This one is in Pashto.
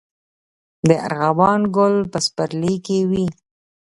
د ارغوان ګل په پسرلي کې وي